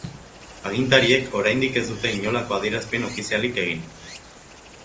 Agintariek oraindik ez dute inolako adierazpen ofizialik egin.